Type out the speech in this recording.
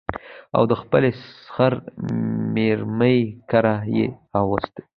او د خپل سخر مېرمايي کره يې راوسته